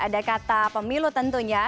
ada kata pemilu tentunya